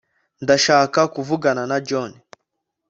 ndashaka kuvugana na john